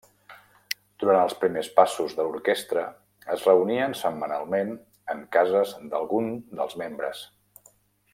Durant els primers passos de l'orquestra, es reunien setmanalment en cases d'algun dels membres.